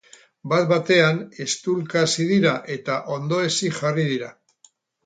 Bat-batean, eztulka hasi dira, eta ondoezik jarri dira.